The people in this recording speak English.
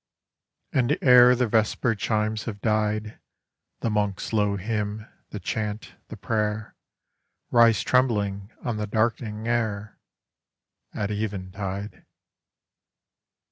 49 And ere the vesper chimes have died The monk's low hymn, the chant, the prayer, Rise trembling on the darkening air, At even tide.